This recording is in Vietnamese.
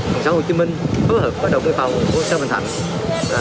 phòng chống hồ chí minh phối hợp với đồng nghiệp phòng của xã bình thạnh